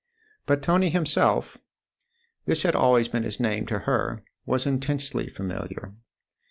But Tony himself this had always been his name to her was intensely familiar.